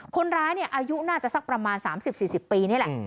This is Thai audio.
คนร้ายอายุน่าจะสักประมาณ๓๐๔๐ปีนี่แหละ